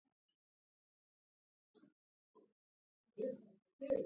نوم ایښودل په دوو طریقو سره کیږي.